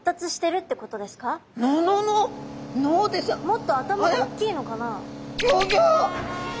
もっと頭がおっきいのかな？